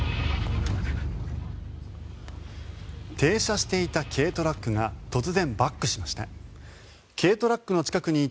停車していた軽トラックが突然バックしました。